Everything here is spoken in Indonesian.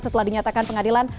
setelah dinyatakan pengadilan